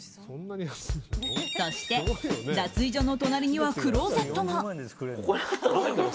そして脱衣所の隣にはクローゼットが。